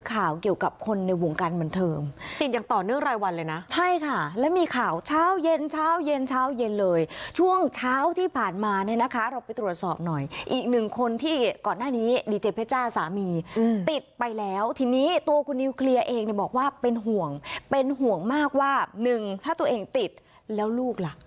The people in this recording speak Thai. ข่าวเกี่ยวกับคนในวงการบันเทิงติดอย่างต่อเนื่องรายวันเลยนะใช่ค่ะแล้วมีข่าวเช้าเย็นเช้าเย็นเช้าเย็นเลยช่วงเช้าที่ผ่านมาเนี่ยนะคะเราไปตรวจสอบหน่อยอีกหนึ่งคนที่ก่อนหน้านี้ดีเจเพชจ้าสามีติดไปแล้วทีนี้ตัวคุณนิวเคลียร์เองเนี่ยบอกว่าเป็นห่วงเป็นห่วงมากว่าหนึ่งถ้าตัวเองติดแล้วลูกล่ะ